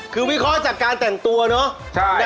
คือวิเคราะห์จากการแต่งตัวเนอะ